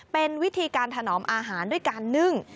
เป็นวิธีการถนอมอาหารด้วยการนึ่ง